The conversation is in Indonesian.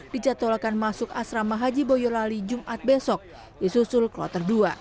dicatolakan masuk asrama haji boyolali jumat besok di susul kloter dua